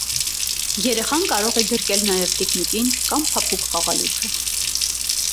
Երեխան կարող է գրկել նաև տիկնիկին կամ փափուկ խաղալիքը։